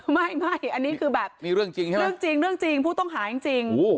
ไม่อันนี้คือจริงผู้ต้องหาจริง